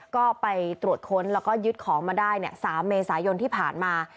ก็ไปตรวจค้นแล้วก็ยึดของมาได้๓เมษายนที่ผ่านมา